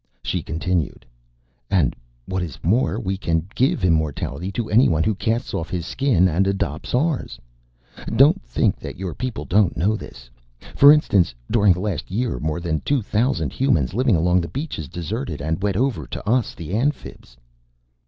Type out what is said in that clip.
She continued, "And what is more, we can give immortality to anyone who casts off his Skin and adopts ours. Don't think that your people don't know this. For instance, during the last year more than two thousand Humans living along the beaches deserted and went over to us, the Amphibs."